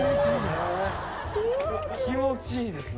気持ちいいんですね。